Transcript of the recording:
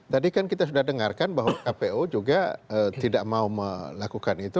tadi kan kita sudah dengarkan bahwa kpu juga tidak mau melakukan itu